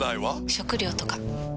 食料とか？